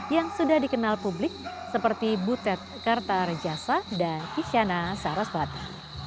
yang sudah dikenal publik seperti butet kertar jasa dan kisyana sarasvati